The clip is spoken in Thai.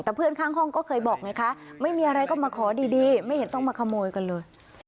แต่เพื่อนข้างห้องก็เคยบอกไงคะไม่มีอะไรก็มาขอดีไม่เห็นต้องมาขโมยกันเลย